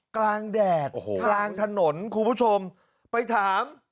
กลางแดกกลางถนนคุณผู้ชมไปถาม